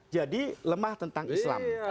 jadi lemah tentang islam